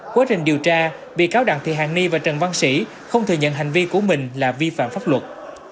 quyết định điều tra bị cáo đặng thì hàn ni và trần văn sĩ không thừa nhận hành vi của mình là vi phạm pháp luật